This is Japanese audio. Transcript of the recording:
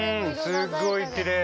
すごいきれい！